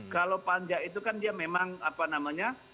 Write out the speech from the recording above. kalau panja itu kan dia memang apa namanya